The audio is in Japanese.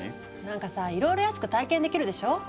なんかさいろいろ安く体験できるでしょ？